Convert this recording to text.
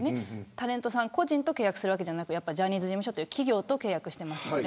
タレントさん個人と契約するわけじゃなくてジャニーズ事務所という企業と契約してますから。